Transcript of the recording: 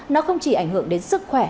nó không chỉ ảnh hưởng đến sức khỏe